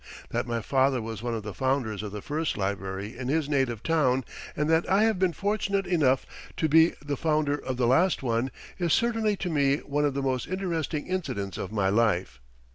That my father was one of the founders of the first library in his native town, and that I have been fortunate enough to be the founder of the last one, is certainly to me one of the most interesting incidents of my life.